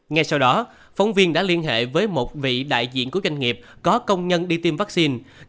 ngay sau đó phóng viên đã liên hệ với một vị đại diện của doanh nghiệp có công nhân đi tiêm vaccine